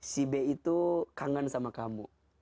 si b itu kangen sama kamu